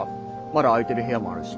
まだ空いてる部屋もあるし。